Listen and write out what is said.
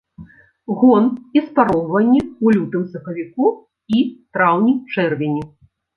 Гон і спароўванне ў лютым-сакавіку і траўні-чэрвені.